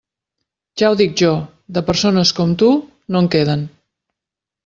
Ja ho dic jo; de persones com tu, no en queden.